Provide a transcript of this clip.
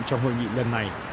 trong hội nghị lần này